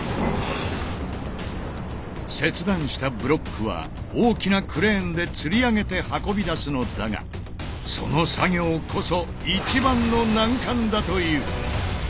切断したブロックは大きなクレーンでつり上げて運び出すのだがその作業こそ一番の難関だという。